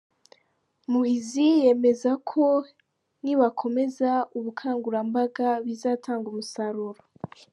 Muhizi yemeza ko nibakomeza ubukangurambaga, bizatanga umusaruro.